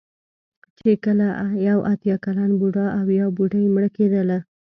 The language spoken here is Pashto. کله چې یو اتیا کلن بوډا او یا بوډۍ مړه کېدله.